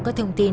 các thông tin